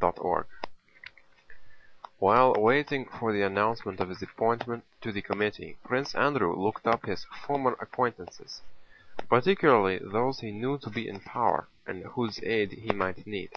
CHAPTER V While waiting for the announcement of his appointment to the committee Prince Andrew looked up his former acquaintances, particularly those he knew to be in power and whose aid he might need.